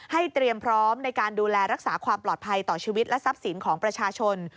เตรียมพร้อมในการดูแลรักษาความปลอดภัยต่อชีวิตและทรัพย์สินของประชาชน